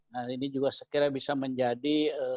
nah ini juga sekiranya bisa menjadi